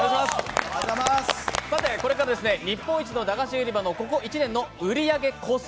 これから日本一のだがし売場のここ１年の売り上げ個数